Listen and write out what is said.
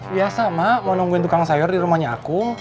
biasa mak mau nungguin tukang sayur di rumahnya aku